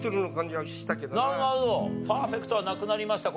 パーフェクトはなくなりました。